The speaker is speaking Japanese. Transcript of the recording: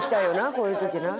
こういう時な。